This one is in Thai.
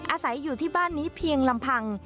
อาศัยอยู่ที่บ้านนี้เพียงลำพัง